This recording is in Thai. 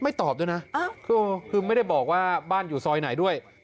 ตอบด้วยนะคือไม่ได้บอกว่าบ้านอยู่ซอยไหนด้วย